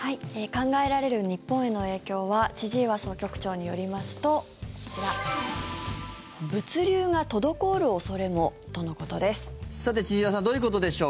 考えられる日本への影響は千々岩総局長によりますとこちら物流が滞る恐れもとのことです。